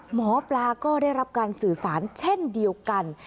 หมอปลาก็ได้รับการสื่อสารเช่นเดียวกัน